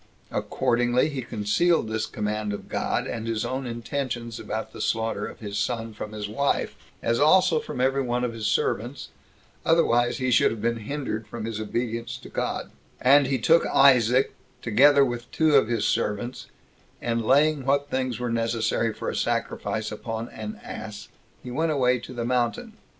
Accordingly he concealed this command of God, and his own intentions about the slaughter of his son, from his wife, as also from every one of his servants, otherwise he should have been hindered from his obedience to God; and he took Isaac, together with two of his servants, and laying what things were necessary for a sacrifice upon an ass, he went away to the mountain.